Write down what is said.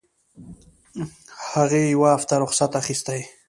هغې يوه هفته رخصت اخيستى.